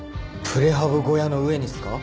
プレハブ小屋の上にっすか？